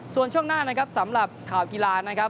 ส่วนช่วงหน้านะครับสำหรับข่าวกีฬานะครับ